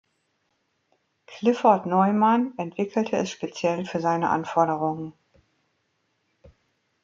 Clifford Neuman entwickelte es speziell für seine Anforderungen.